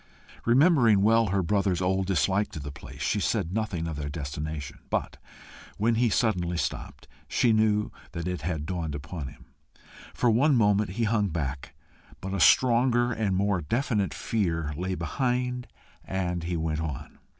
Remembering well her brother's old dislike to the place, she said nothing of their destination; but, when he suddenly stopped, she knew that it had dawned upon him. For one moment he hung back, but a stronger and more definite fear lay behind, and he went on.